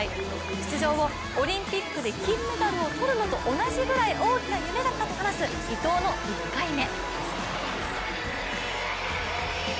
出場をオリンピックで金メダルをとるのと同じくらい大きな夢だったと話す伊藤の１回目。